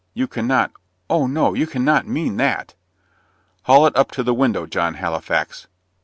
You cannot oh, no! you cannot mean that!" "Haul it up to the window, John Halifax."